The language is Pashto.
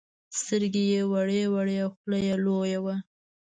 سترگې يې وړې وړې او خوله يې لويه وه.